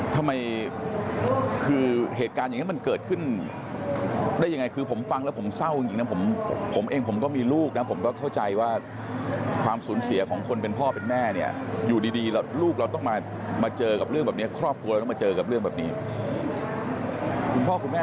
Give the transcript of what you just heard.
ทำไมคือเหตุการณ์อย่างนี้มันเกิดขึ้นได้ยังไงคือผมฟังแล้วผมเศร้าจริงนะผมเองผมก็มีลูกนะผมก็เข้าใจว่าความสูญเสียของคนเป็นพ่อเป็นแม่เนี่ยอยู่ดีลูกเราต้องมาเจอกับเรื่องแบบนี้ครอบครัวเราต้องมาเจอกับเรื่องแบบนี้คุณพ่อคุณแม่